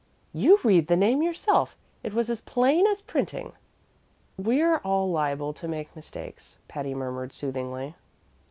"You read the name yourself. It was as plain as printing." "We're all liable to make mistakes," Patty murmured soothingly.